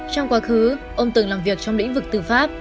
trong quá khứ ông từng làm việc trong lĩnh vực tư pháp